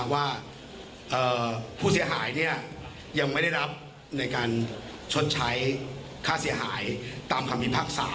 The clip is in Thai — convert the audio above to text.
ว่าผู้เสียหายยังไม่ได้รับในการชดใช้ค่าเสียหายตามคำพิพากษา